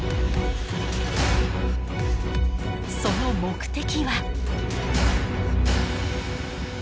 その目的は。